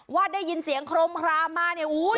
ว่าได้ยินเสียงโครมครามมาเนี่ย